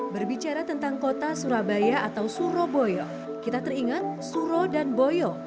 berbicara tentang kota surabaya atau surabaya kita teringat suro dan boyo